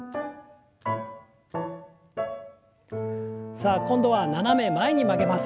さあ今度は斜め前に曲げます。